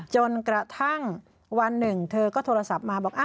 จนกระทั่งวันหนึ่งเธอก็โทรศัพท์มาบอก